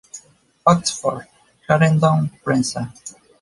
Oxford: Clarendon Prensa.